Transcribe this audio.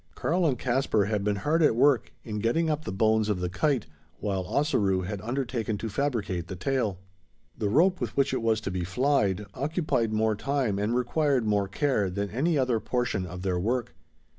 Karl and Caspar had been hard at work, in getting up the "bones" of the kite; while Ossaroo had undertaken to fabricate the tail. The rope with which it was to be "flyed," occupied more time, and required more care, than any other portion of their work.